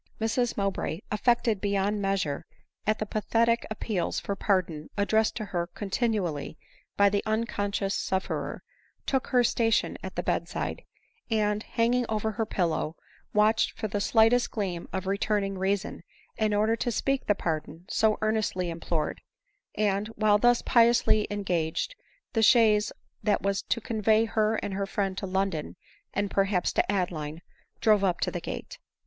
Mrs Mowbray, affected beyond measure at the pathetic appeals for pardon addressed to her continually by the unconscious sufferer, took her station at the bed side ; and, hanging over her pillow, watched for the slightest gleam of returning reason, in order to speak the pardon V ADELINE MOWBRAY. 305 so earnestly implored ; and while thus piously engaged) the chaise that was to convey her and her friend to Lon don, and perhaps to Adeline, drove up to the gate.